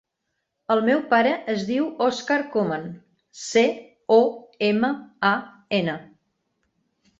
El meu pare es diu Òscar Coman: ce, o, ema, a, ena.